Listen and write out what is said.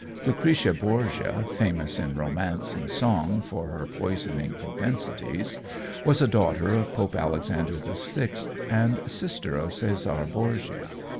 Lucretia Borgia, famous in romance and song for her poisoning propensities, was a daughter of Pope Alexander VI, and sister of Cesare Borgia.